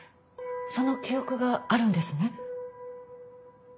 その記憶があるんですね？